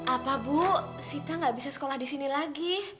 apa bu sita gak bisa sekolah disini lagi